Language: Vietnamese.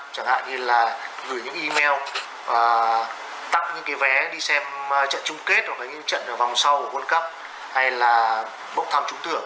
chẳng hạn như là gửi những email tặng những vé đi xem trận chung kết trận vòng sau của world cup hay là bỗng tham trúng thưởng